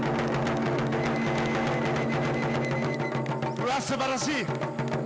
「うわあすばらしい。